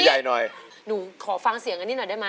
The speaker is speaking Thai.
แหมกลับจะอยู่ถึงคราวหน้า